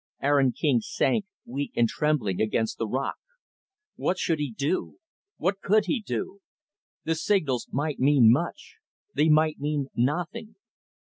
Aaron King sank, weak and trembling, against the rock. What should he do? What could he do? The signals might mean much. They might mean nothing.